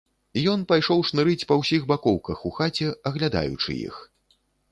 Ён пайшоў шнырыць па ўсіх бакоўках у хаце, аглядаючы іх.